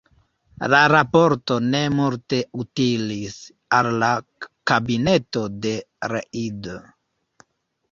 La raporto ne multe utilis al la kabineto de Reid.